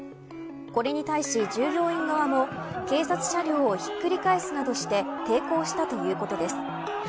これに対し従業員側も警察車両をひっくり返すなどして抵抗したということです。